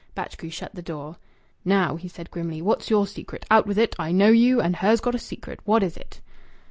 Batchgrew shut the door. "Now," he said grimly, "what's your secret? Out with it. I know you and her's got a secret. What is it?"